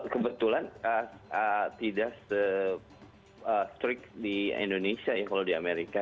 kebetulan tidak setrik di indonesia ya kalau di amerika